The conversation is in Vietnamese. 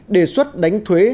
đề xuất đánh thuế